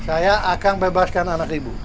saya akan bebaskan anak ibu